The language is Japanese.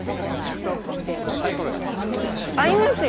合いますよ。